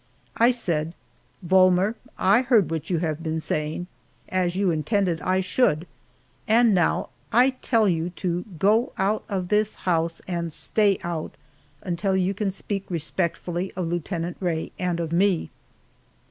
I said: "Volmer, I heard what you have been saying, as you intended I should, and now I tell you to go out of this house and stay out, until you can speak respectfully of Lieutenant Rae and of me."